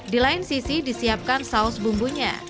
di lain sisi disiapkan saus bumbunya